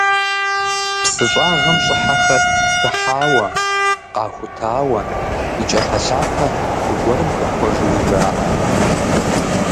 Псы щӏагъым щӏыхьэхэр хыхьауэ, къахутауэ, и кӏапэлъапэ хы гуэрым хэхуэжуи жаӏэ.